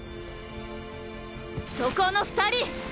そこの２人！